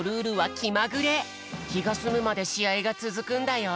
きがすむまでしあいがつづくんだよ。